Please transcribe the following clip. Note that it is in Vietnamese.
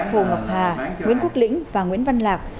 hồ ngọc hà nguyễn quốc lĩnh và nguyễn văn lạc